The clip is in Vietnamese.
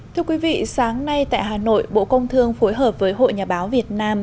thưa quý vị sáng nay tại hà nội bộ công thương phối hợp với hội nhà báo việt nam